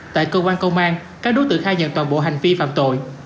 tại cơ quan công an các đối tượng khai nhận toàn bộ hành vi phạm tội